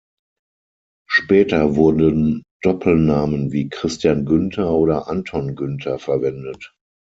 Später wurden Doppelnamen wie Christian Günther oder Anton Günther verwendet.